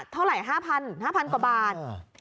เท่าไหร่ห้าพันห้าพันกว่าบาทอ้าว